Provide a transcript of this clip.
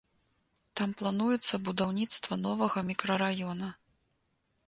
Там плануецца будаўніцтва новага мікрараёна.